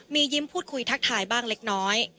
มียิ้มพูดคุยทักทายบ้างเล็กน้อย